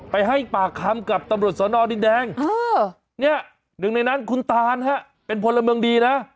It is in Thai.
ให้ปากคำกับตำรวจสนดินแดงเนี่ยหนึ่งในนั้นคุณตานฮะเป็นพลเมืองดีนะ